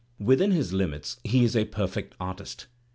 ^J^l&S* / his limits he is a perfect artist.